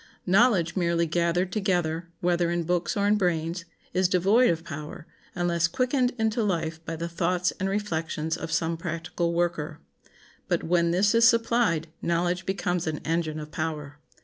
Knowledge merely gathered together, whether in books or in brains, is devoid of power, unless quickened into life by the thoughts and reflections of some practical worker. But when this is supplied knowledge becomes an engine of power.